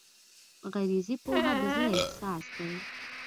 غریزي پوهه د زړه احساس دی.